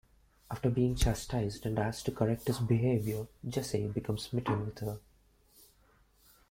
After being chastised and asked to correct his behavior, Jesse becomes smitten with her.